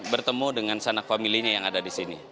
bertemu dengan sanak familinya yang ada di sini